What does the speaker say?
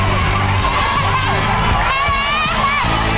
นี่ลูกตกแล้ว